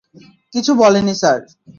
কিছু বলেনি স্যার।